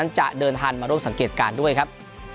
จะเดินทางมาร่วมสังเกตการณ์ด้วยครับ